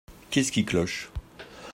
Qu’est-ce qui cloche ?